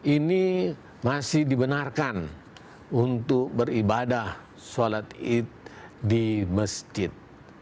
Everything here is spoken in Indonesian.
ini masih dibenarkan untuk beribadah sholat id di masjid